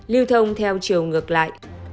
lưu thông theo chiều ngược lại